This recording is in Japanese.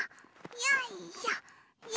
よいしょ。